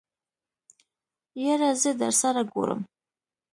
يره زه درسره ګورم.